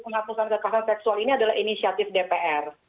karena kan ruu penghapusan kekerasan seksual ini adalah inisiatif dpr